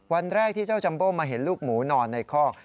วันแรกที่เจ้าจัมโบมาเห็นลูกหมูนอนในคอก